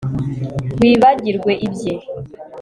Wibagirwe ibye